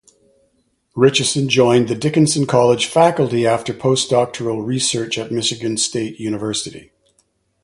Richeson joined the Dickinson College faculty after postdoctoral research at Michigan State University.